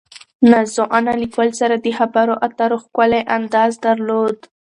نازو انا له ګل سره د خبرو اترو ښکلی انداز درلود.